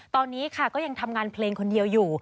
ตอนนี้ค่ะก็ยังทำงานเพลงคนเดียวอยู่